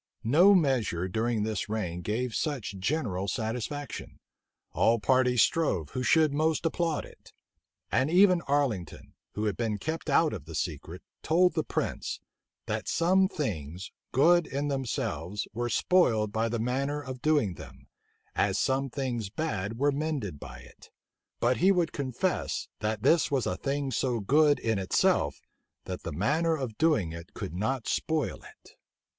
No measure during this reign gave such general satisfaction. All parties strove who should most applaud it. And even Arlington, who had been kept out of the secret, told the prince, "that some things, good in themselves, were spoiled by the manner of doing them, as some things bad were mended by it; but he would confess, that this was a thing so good in itself, that the manner of doing it could not spoil it."